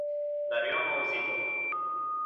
Dar eu am auzit-o.